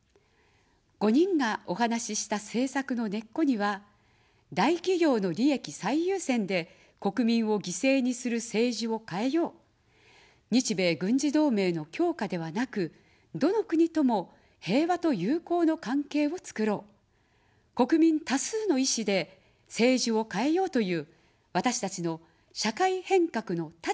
５人がお話した政策の根っこには、大企業の利益最優先で国民を犠牲にする政治を変えよう、日米軍事同盟の強化ではなく、どの国とも、平和と友好の関係をつくろう、国民多数の意思で政治を変えようという、私たちの社会変革の立場があります。